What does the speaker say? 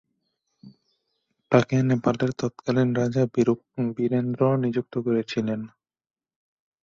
তাকে নেপালের তৎকালীন রাজা বীরেন্দ্র নিযুক্ত করেছিলেন।